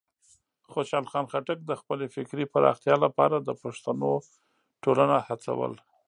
خوشحال خان خټک د خپلې فکري پراختیا لپاره د پښتنو ټولنه هڅول.